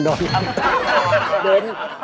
เดิน